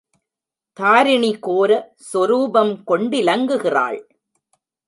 தாரிணி கோர சொரூபம் கொண்டிலங்குகிறாள்.